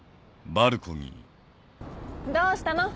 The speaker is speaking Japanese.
どうしたの？